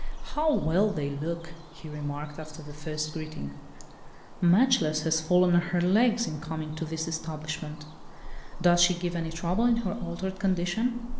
"How well they look," he remarked, after the first greeting, "'Matchless' has fallen on her legs in coming to this establishment. Does she give any trouble in her altered condition?"